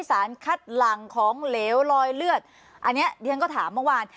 สารคัดหลังของเหลวรอยเลือดอันนี้เรียนก็ถามเมื่อวาน